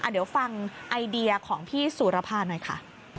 เดี๋ยวฟังไอเดียของพี่สุรภาหน่อยค่ะ